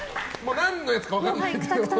何のやつか分からない。